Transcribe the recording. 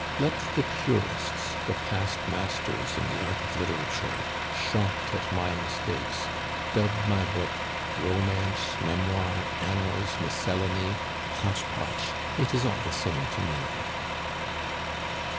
Let the purists, the past masters in the art of literature, shocked at my mistakes, dub my book romance, memoir, annals, miscellany, hotch potch. It is all the same to me.